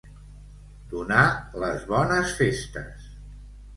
Donar les bones festes.